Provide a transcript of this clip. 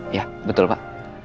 iya betul pak